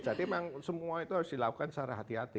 jadi memang semua itu harus dilakukan secara hati hati